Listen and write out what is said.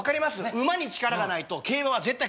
馬に力がないと競馬は絶対勝てない。